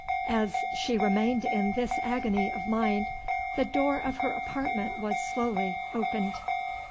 As she remained in this agony of mind, the door of her apartment was slowly opened.